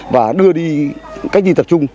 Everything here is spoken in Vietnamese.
và đưa đi cách đi tập trung